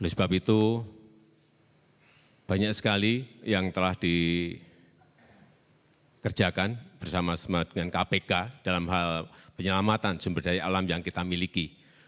oleh sebab itu banyak sekali yang telah dikerjakan bersama sama dengan kpk dalam hal penyelamatan sumber daya alam yang kita miliki